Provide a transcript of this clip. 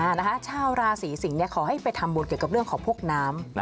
นะคะชาวราศีสิงศ์เนี่ยขอให้ไปทำบุญเกี่ยวกับเรื่องของพวกน้ำ